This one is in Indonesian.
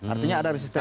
artinya ada resistensi